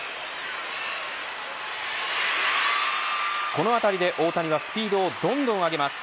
この当たりで大谷はスピードをどんどん上げます。